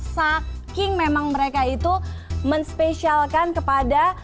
saking memang mereka itu menspesialkan kepada